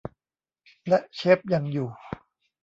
และเชฟยังอยู่